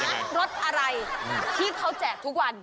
แต่ว่ารถอะไรที่เขาแจกทุกวัน